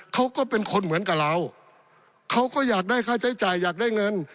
เขาก็เป็นคนเหมือนกับเราเขาก็อยากได้ค่าใช้จ่ายอยากได้เงิน